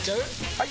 ・はい！